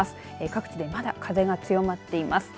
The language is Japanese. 各地でまだ風が強まっています。